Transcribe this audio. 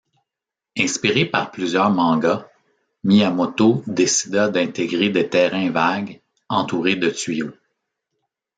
Inspiré par plusieurs mangas, Miyamoto décida d'intégrer des terrains vagues entourés de tuyaux.